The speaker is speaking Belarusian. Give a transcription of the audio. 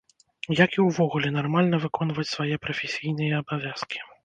Як і ўвогуле нармальна выконваць свае прафесійныя абавязкі.